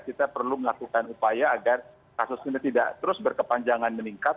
kita perlu melakukan upaya agar kasus ini tidak terus berkepanjangan meningkat